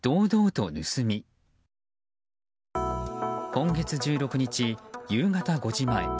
今月１６日、夕方５時前。